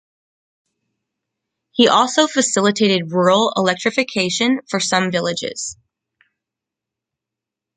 He also facilitated rural electrification for some villages.